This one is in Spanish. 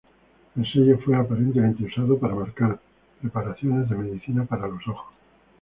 El sello fue aparentemente usado para marcar preparaciones de medicina para los ojos.